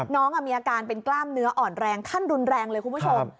น้องมีอาการเป็นกล้ามเนื้ออ่อนแรงขั้นรุนแรงเลยคุณผู้ชม